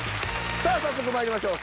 さあ早速まいりましょう。